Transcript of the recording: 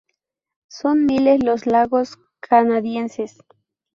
Son miles los lagos canadienses.